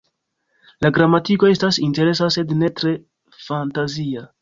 La gramatiko estas interesa sed ne tre fantazia.